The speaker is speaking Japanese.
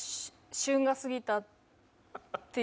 旬が過ぎたっていうか。